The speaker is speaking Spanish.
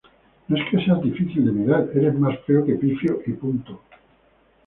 No es que seas difícil de mirar, eres más feo que Pifio y punto